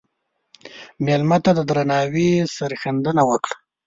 مېلمه ته د درناوي سرښندنه وکړه.